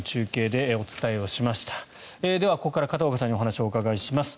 では、ここから片岡さんにお話をお伺いします。